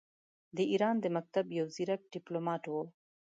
د ایران د مکتب یو ځیرک ډیپلوماټ وو.